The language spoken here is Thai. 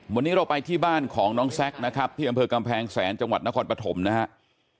วันนี้เราไปที่บ้านของน้องแซคนะครับที่อำเภอกำแพงแสนจังหวัดนครปฐมนะครับ